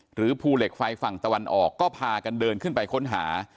ภูเหล็กไฟฝั่งตะวันออกก็พากันเดินขึ้นไปค้นหา